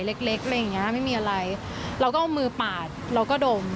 เล็กยังไงมันมีอะไรเราก็เอามือปาดแล้วก็ดม